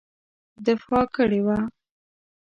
دفاع کړې وه.